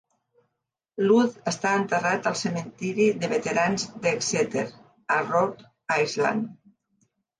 Luz està enterrat al cementiri de veterans d'Exeter, a Rhode Island.